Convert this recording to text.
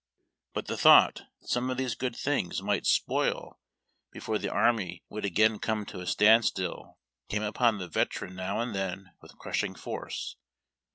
But the thought that some of these good things might spoil before the array would again come to a stand still came upon the veteran now and then with crushing force.